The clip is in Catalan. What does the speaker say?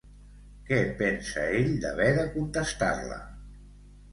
Què pensa ell d'haver de contestar-la?